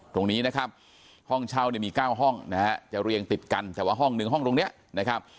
ตรงนี้นะครับห้องเช่าเนี่ยมี๙ห้องนะฮะจะเรียงติดกันแต่ว่าห้องนึงห้องตรงนี้นะครับ